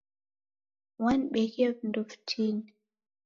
Wanibeghia vindo vitini.